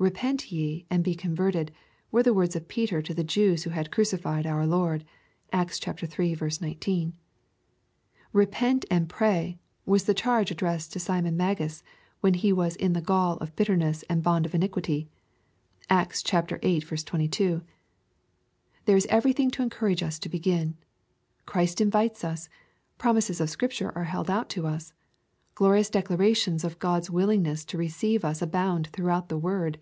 " Repent ye, and be con verted," were the words of Peter to the Jews who had crucified our Lord. (Acts iii. 19.) " Repent and pray/' was the charge addressed to Simon Magus when he was in the "gall of bitterness and bond of iniquity." (Acts viii. 22.) There is everything to encourage us to begin. Christ invites us. Promises of Scripture are held out to us. Glorious declarations of God's willingness to re ceive us abound throughout the word.